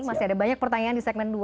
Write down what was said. masih ada banyak pertanyaan di segmen dua